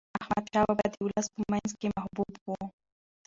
احمد شاه بابا د ولس په منځ کې محبوب و.